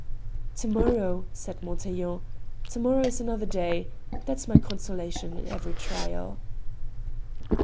"To morrow," said Montaiglon "to morrow is another day; that's my consolation in every trial."